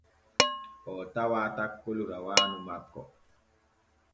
Oo tawaa takkol rawaanu makko.